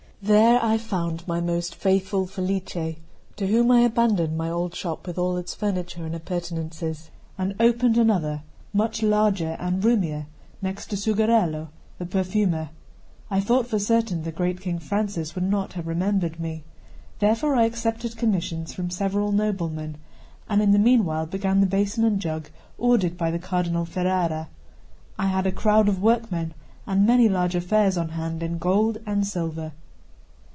There I found my most faithful Felice, to whom I abandoned my old shop with all its furniture and appurtenances, and opened another, much larger and roomier, next to Sugherello, the perfumer. I thought for certain that the great King Francis would not have remembered me. Therefore I accepted commissions from several noblemen; and in the meanwhile began the bason and jug ordered by the Cardinal Ferrara. I had a crowd of workmen, and many large affairs on hand in gold and silver.